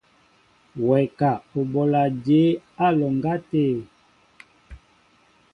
Wɛ ka , o bola jěbá á alɔŋgá tê?